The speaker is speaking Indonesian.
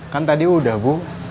kan tadi udah bu